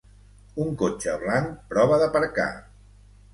Un cotxe blanc prova d'aparcar